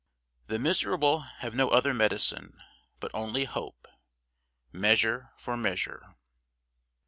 The miserable have no other medicine, But only hope. MEASURE FOR MEASURE.